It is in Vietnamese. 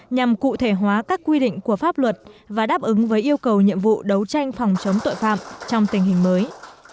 nhằm cụ thể hóa các quy định của pháp luật và đáp ứng với yêu cầu nhiệm vụ đấu tranh phòng chống tội phạm trong tình hình mới